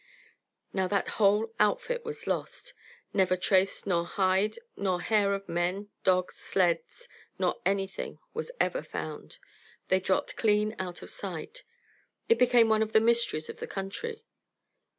Now that whole outfit was lost. Never trace nor hide nor hair of men, dogs, sleds, or anything was ever found. They dropped clean out of sight. It became one of the mysteries of the country.